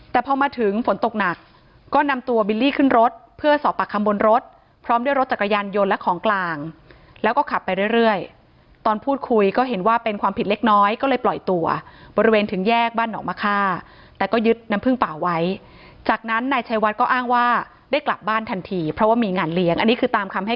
แต่พอมาถึงฝนตกหนักก็นำตัวบิลลี่ขึ้นรถเพื่อสอบปากคำบนรถพร้อมด้วยรถจักรยานยนต์และของกลางแล้วก็ขับไปเรื่อยตอนพูดคุยก็เห็นว่าเป็นความผิดเล็กน้อยก็เลยปล่อยตัวบริเวณถึงแยกบ้านหนองมะค่าแต่ก็ยึดน้ำพึ่งป่าไว้จากนั้นนายชัยวัดก็อ้างว่าได้กลับบ้านทันทีเพราะว่ามีงานเลี้ยงอันนี้คือตามคำให้